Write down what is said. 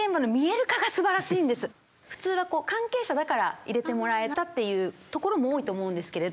普通は関係者だから入れてもらえたという所も多いと思うんですけれど。